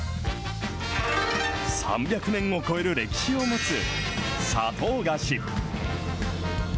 ３００年を超える歴史を持つ、砂糖菓子。